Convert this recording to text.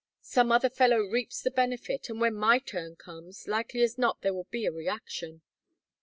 Some other fellow reaps the benefit; and when my turn comes, likely as not there will be a reaction.